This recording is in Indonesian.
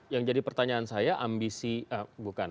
yang jadi pertanyaan saya ambisi bukan